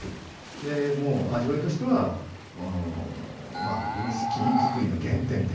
もう味わいとしてはウイスキー造りの原点といいますか。